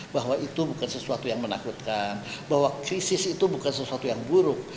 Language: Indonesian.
bahwa itu bukan sesuatu yang menakutkan bahwa krisis itu bukan sesuatu yang buruk